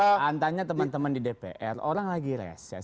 hanya pak hantarnya teman teman di dpr orang lagi reses